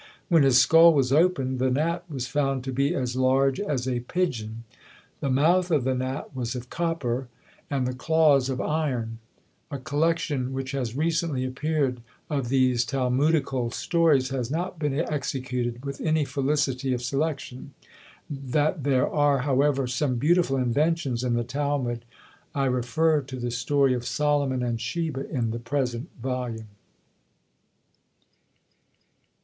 When his skull was opened, the gnat was found to be as large as a pigeon: the mouth of the gnat was of copper, and the claws of iron. A collection which has recently appeared of these Talmudical stories has not been executed with any felicity of selection. That there are, however, some beautiful inventions in the Talmud, I refer to the story of Solomon and Sheba, in the present volume.